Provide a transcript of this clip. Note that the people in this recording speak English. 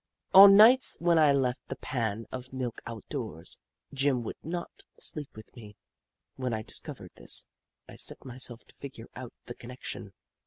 On nights when I left the pan of milk outdoors, Jim would not sleep with me. When I discovered this, I set myself to figure out the connection.